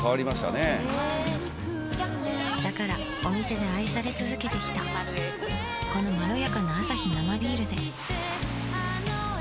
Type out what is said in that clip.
だからお店で愛され続けてきたこのまろやかなアサヒ生ビールで